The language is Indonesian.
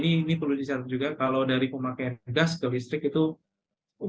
ini perlu dicatat juga kalau dari pemakaian gas ke listrik itu cukup